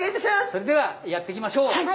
それではやっていきましょう！